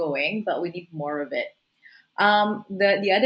tapi kita butuh lebih banyaknya